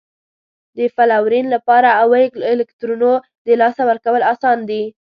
د فلورین لپاره اوو الکترونو د لاسه ورکول اسان دي؟